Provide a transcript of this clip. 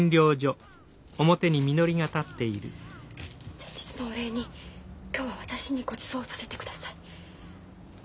先日のお礼に今日は私にごちそうさせてください。